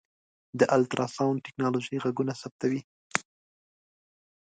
د الټراسونډ ټکنالوژۍ غږونه ثبتوي.